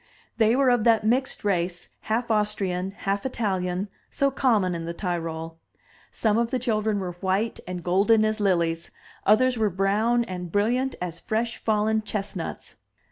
They were of that mixed race, half Austrian, half Italian, so common in the Tyrol; some of the children were white and golden as lilies, others were brown and brilliant as fresh fallen chest nuts.